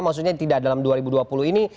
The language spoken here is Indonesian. maksudnya tidak dalam dua ribu dua puluh ini